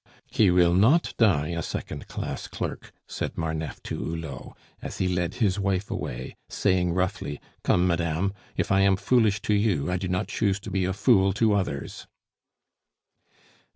"He will not die a second class clerk!" said Marneffe to Hulot, as he led his wife away, saying roughly, "Come, madame; if I am foolish to you, I do not choose to be a fool to others."